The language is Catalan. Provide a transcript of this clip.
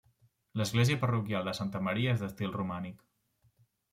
L'església parroquial de Santa Maria és d'estil romànic.